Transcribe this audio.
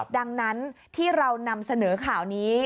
ดังนั้นที่เรานำเสนอข่าวนี้